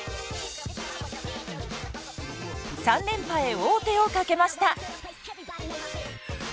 ３連覇へ王手をかけました。